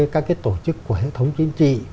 các cái tổ chức của hệ thống chính trị